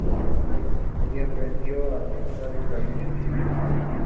Allí aprendió a tocar el clarinete y el saxofón.